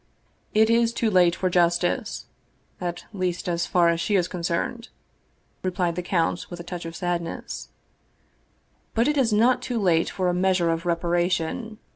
" It is too late for justice, at least so far as she is con cerned," replied the count, with a touch of sadness ;" but it is not too late for a measure of reparation.